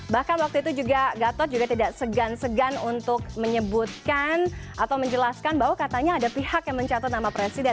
bahkan waktu itu juga gatot juga tidak segan segan untuk menyebutkan atau menjelaskan bahwa katanya ada pihak yang mencatat nama presiden